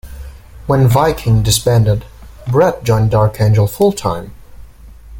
When Viking disbanded, Brett joined Dark Angel full-time.